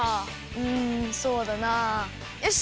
うんそうだなよし！